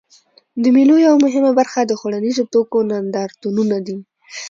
د مېلو یوه مهمه برخه د خوړنیزو توکو نندارتونونه دي.